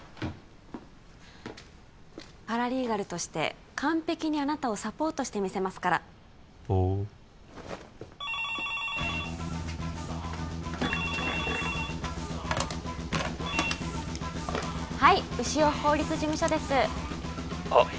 パラリーガルとして完璧にあなたをサポートしてみせますからほうはい潮法律事務所です☎あっ